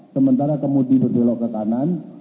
sementara kemudian berbelok ke kanan